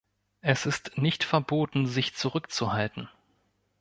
Es ist nicht verboten, sich zurückzuhalten.